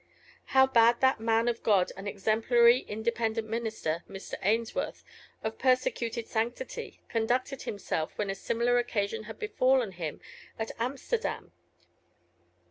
How had that man of God and exemplary Independent minister, Mr. Ainsworth, of persecuted sanctity, conducted himself when a similar occasion had befallen him at Amsterdam?